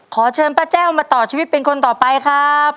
ขอเชิญป้าแจ้วมาต่อชีวิตเป็นคนต่อไปครับ